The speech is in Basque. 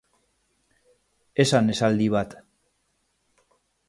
Esan esaldi bat